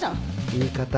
言い方。